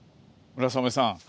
村雨さん。